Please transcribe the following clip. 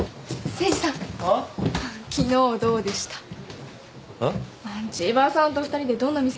千葉さんと２人でどんな店行ったんですか？